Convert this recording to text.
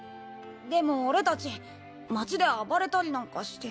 でも俺たち町で暴れたりなんかして。